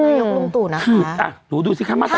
จากนายกรุงตุ๋นะคะ